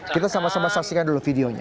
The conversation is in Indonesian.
kita sama sama saksikan dulu videonya